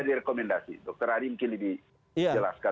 ada di rekomendasi dokter ari mungkin lebih jelaskan lagi